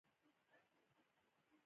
آیا دوی د ګلونو څخه عطر نه جوړوي؟